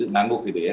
ngangguk gitu ya